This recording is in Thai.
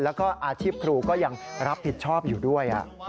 แล้วก็อาชีพครูก็ยังรับผิดชอบอยู่ด้วย